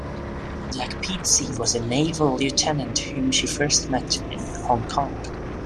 Jack Pizzey was a naval lieutenant whom she first met in Hong Kong.